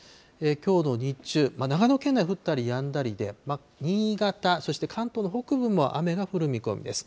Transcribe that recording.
きょうの日中、長野県内、降ったりやんだりで、新潟、そして関東の北部も雨が降る見込みです。